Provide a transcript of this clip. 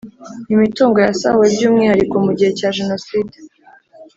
Imitungo yasahuwe by’ umwihariko mu gihe cya jenoside